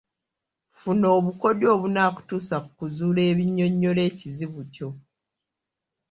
Funa obukodyo obunaakutuusa ku kuzuula ebinnyonnyola ekizibu kyo